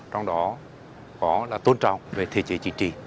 trong đó có tôn trọng về thể trí chỉ trí